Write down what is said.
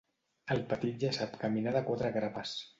El petit ja sap caminar de quatre grapes.